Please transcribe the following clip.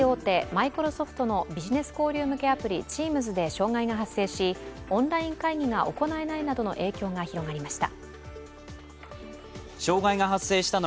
マイクロソフトのビジネス交流向けＴｅａｍｓで障害が発生し、オンライン会議が行えないなどの影響が広がりました。